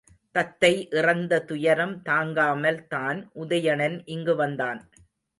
தத்தை இறந்த துயரம் தாங்காமல்தான் உதயணன் இங்கு வந்தான்.